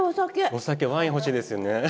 お酒ワイン欲しいですよね。